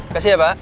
kasih ya pak